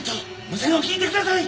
無線を聞いてください！